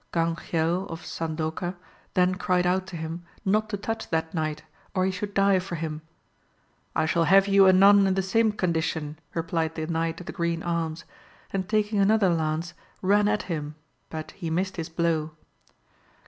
Ganjel of Sadoca then cried out to him not to touch that knight, or he should die for him. I shall have you anon in the same condition, replied the knight of the green arms, and taking another lance, ran at him, but he missed his blow.